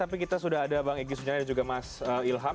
tapi kita sudah ada bang egy sujana dan juga mas ilham